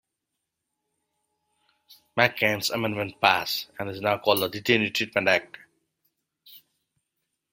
McCain's amendment passed, and is now called the Detainee Treatment Act.